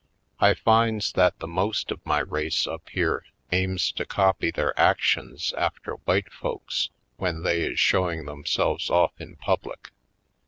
I finds that the most of my race up here aims to copy their actions after white folks when they is showing themselves off in pub lic.